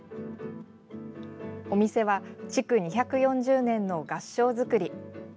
お店は、築２４０年の合掌造り。